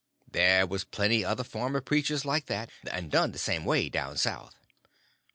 There was plenty other farmer preachers like that, and done the same way, down South.